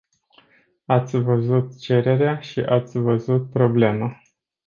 Ați văzut cererea și ați văzut problema.